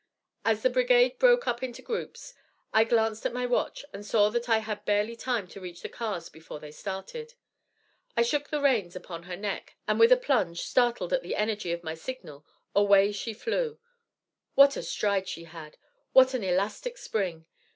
As the brigade broke up into groups, I glanced at my watch and saw that I had barely time to reach the cars before they started. I shook the reins upon her neck, and with a plunge, startled at the energy of my signal, away she flew. What a stride she had! What an elastic spring!